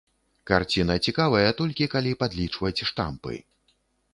Карціна цікавая толькі, калі падлічваць штампы.